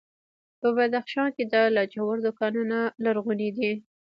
په بدخشان کې د لاجوردو کانونه لرغوني دي